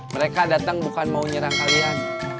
mereka datang bukan mau nyerang kalian